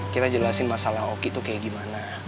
kita jelasin masalah oki tuh kayak gimana